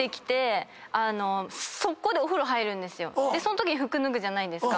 そんとき服脱ぐじゃないですか。